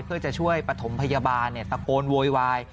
เพื่อจะช่วยปฐมพยาบาลตะโกนโวยวาย